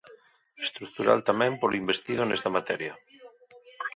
Estrutural tamén polo investido nesta materia.